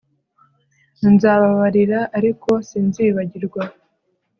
Nzababarira ariko sinzibagirwa